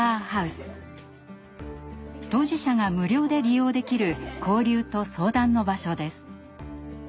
当事者が無料で利用できる交流と相談の場所です。